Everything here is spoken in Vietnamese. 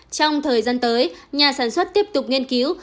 trong thời gian tới nhà sản xuất tiếp tục nghiên cứu